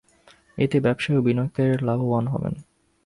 এতে ব্যবসায়ী ও বিনিয়োগকারীরা লাভবান হবেন।